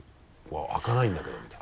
「開かないんだけど」みたいな。